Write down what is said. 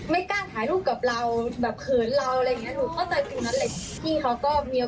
ไม่กล้าถ่ายรูปกับเราแบบเขินเราอะไรอย่างนี้